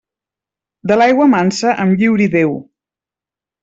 De l'aigua mansa em lliuri Déu.